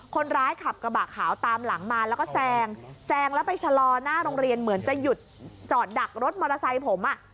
คนขับกระบะขาวตามหลังมาแล้วก็แซงแซงแล้วไปชะลอหน้าโรงเรียนเหมือนจะหยุดจอดดักรถมอเตอร์ไซค์ผมอ่ะ